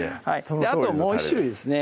あともう１種類ですね